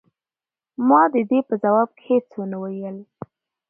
ما د ده په ځواب کې هیڅ ونه ویل.